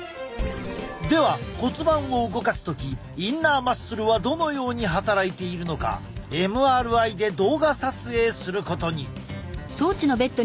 では骨盤を動かす時インナーマッスルはどのように働いているのかＭＲＩで動画撮影することに！